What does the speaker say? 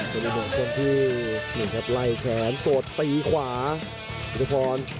เป็นหน่วยของคนที่นี่ครับไล่แขนตัวตีขวาวิทยาภรณ์